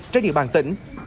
trên địa bàn tỉnh